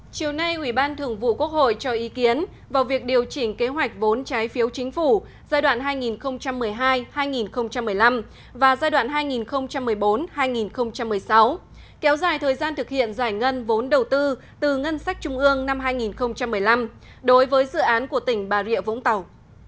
chiều nay ủy ban thường vụ quốc hội cho ý kiến vào việc điều chỉnh kế hoạch vốn trái phiếu chính phủ giai đoạn hai nghìn một mươi hai hai nghìn một mươi năm và giai đoạn hai nghìn một mươi bốn hai nghìn một mươi sáu kéo dài thời gian thực hiện giải ngân vốn đầu tư từ ngân sách trung ương năm hai nghìn một mươi năm đối với dự án của tỉnh bà rịa vũng tàu